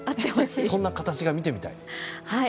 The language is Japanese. そんな形が見てみたい。